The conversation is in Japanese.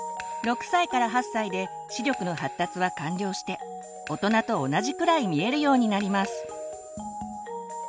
６歳から８歳で視力の発達は完了して大人と同じくらい見えるようになります。